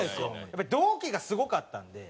やっぱり同期がすごかったんで。